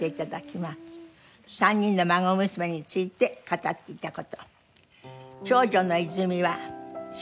３人の孫娘について語っていた事。